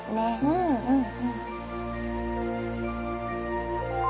うん。